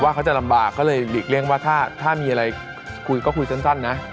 เขาจะลำบากก็เลยหลีกเลี่ยงว่าถ้ามีอะไรคุยก็คุยสั้นนะ